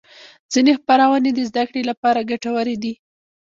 ځینې خپرونې د زدهکړې لپاره ګټورې دي.